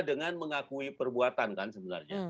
dengan mengakui perbuatan kan sebenarnya